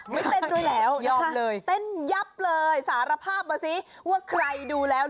ไม่เต้นด้วยแล้วเต้นยับเลยสารภาพมาสิว่าใครดูแล้ว